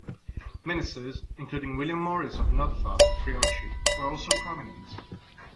Ministers, including William Morris of Noddfa, Treorchy were also prominent.